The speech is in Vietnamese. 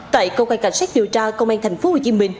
tại cơ quan cảnh sát điều tra công an tp hcm